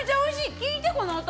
聞いて、この音！